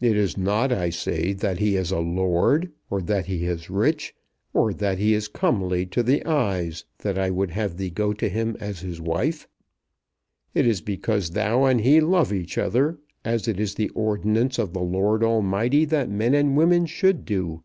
"It is not, I say, that he is a lord, or that he is rich, or that he is comely to the eyes, that I would have thee go to him as his wife. It is because thou and he love each other, as it is the ordinance of the Lord Almighty that men and women should do.